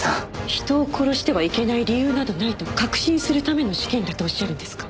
人を殺してはいけない理由などないと確信するための試験だとおっしゃるんですか？